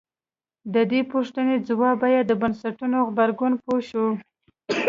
د دې پوښتنې ځواب باید د بنسټونو غبرګون پوه شو.